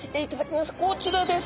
こちらです。